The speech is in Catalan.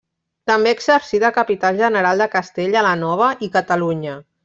També exercí de Capità General de Castella la Nova i Catalunya.